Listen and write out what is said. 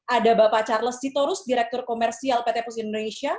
ada bapak charles sitorus direktur komersial pt pos indonesia